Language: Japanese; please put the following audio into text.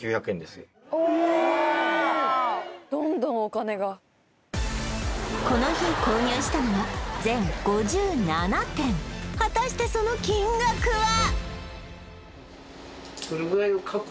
えっうわこの日購入したのは全５７点果たしてその金額は？